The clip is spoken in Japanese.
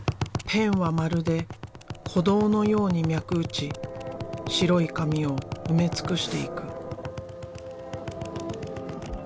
ペンはまるで鼓動のように脈打ち白い紙を埋め尽くしていく。